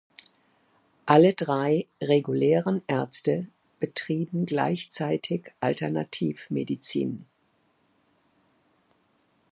Alle drei regulären Ärzte betrieben gleichzeitig Alternativmedizin.